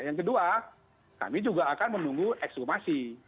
yang kedua kami juga akan menunggu ekshumasi